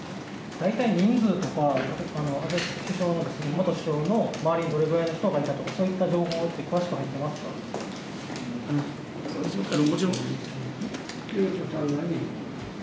大体人数とか安倍元首相の周りにどれくらいの人がいたとかそういった情報は詳しく入っていますか。